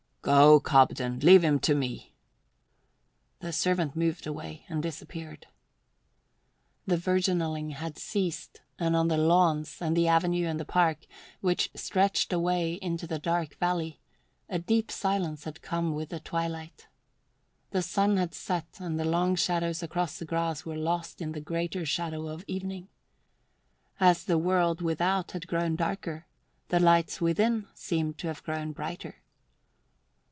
"Go, Cobden. Leave him to me." The servant moved away and disappeared. The virginalling had ceased, and on the lawns and the avenue and the park, which stretched away into the dark valley, a deep silence had come with the twilight. The sun had set and the long shadows across the grass were lost in the greater shadow of evening. As the world without had grown darker, the lights within seemed to have grown brighter.